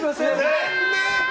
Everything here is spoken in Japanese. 残念！